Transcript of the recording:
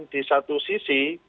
di satu sisi